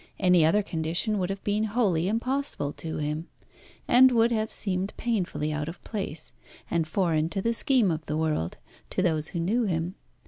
Any other condition would have been wholly impossible to him, and would have seemed painfully out of place, and foreign to the scheme of the world, to those who knew him.